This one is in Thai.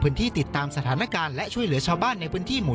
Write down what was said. ติดตามสถานการณ์และช่วยเหลือชาวบ้านในพื้นที่หมู่